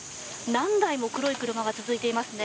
何台も黒い車が続いていますね。